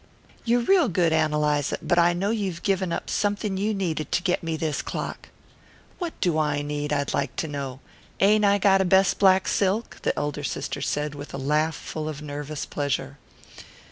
"You're real good, Ann Eliza; but I know you've given up something you needed to get me this clock." "What do I need, I'd like to know? Ain't I got a best black silk?" the elder sister said with a laugh full of nervous pleasure.